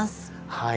はい。